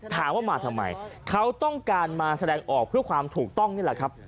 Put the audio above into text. ถามว่ามาทำไมเขาต้องการมาแสดงออกเพื่อความถูกต้องนี่แหละครับ